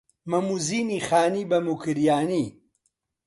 مەم و زینی خانی بە موکریانی